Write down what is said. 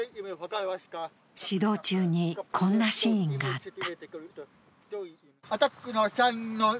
指導中に、こんなシーンがあった。